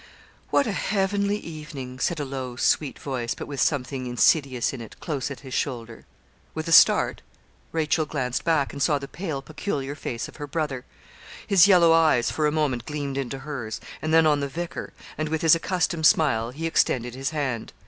'What a heavenly evening!' said a low, sweet voice, but with something insidious in it, close at his shoulder. With a start, Rachel glanced back, and saw the pale, peculiar face of her brother. His yellow eyes for a moment gleamed into hers, and then on the vicar, and, with his accustomed smile, he extended his hand.